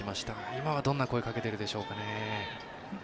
今はどんな声をかけてるでしょうか。